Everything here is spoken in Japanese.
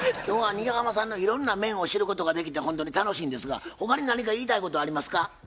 今日は新浜さんのいろんな面を知ることができてほんとに楽しいんですが他に何か言いたいことありますか？